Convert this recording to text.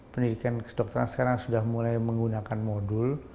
pendidikan kedokteran sekarang sudah mulai menggunakan modul